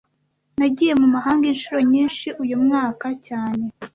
Nagiye mu mahanga inshuro nyinshi uyu mwaka cyane